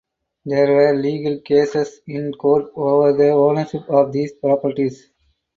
There were legal cases in court over the ownership of these properties.